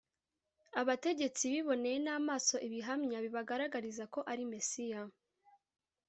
abategetsi biboneye n’amaso ibihamya bibagaragariza ko ari mesiya